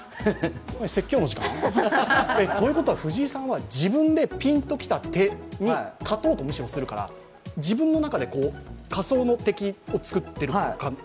説教の時間？ということは藤井さんは自分でピンと来た敵に勝とうと、むしろするから、自分の中で仮想の敵をつくっている形？